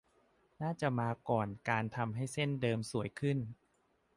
น่าจะมาก่อนการทำให้เส้นเดิมสวยขึ้น